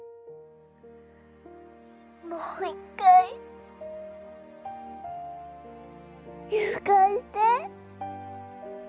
もう一回。誘拐して。